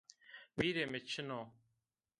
Vîrê mi çin o